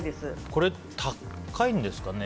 これ、高いんですかね。